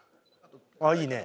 おっいいね。